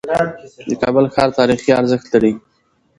د کابل ښار تاریخي ارزښت لري.